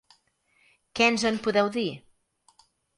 Què ens en podeu dir?